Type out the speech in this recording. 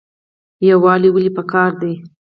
یووالی ولې پکار دی؟